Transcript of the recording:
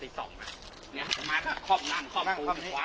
ใส่ส่องอะเนี้ยข๊อบหล่างข้อนี้ข๊อบนี้คว้าคอ